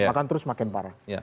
bahkan terus makin parah